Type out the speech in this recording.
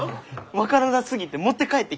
分からなすぎて持って帰ってきた。